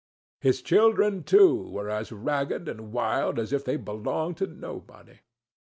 His children, too, were as ragged and wild as if they belonged to nobody.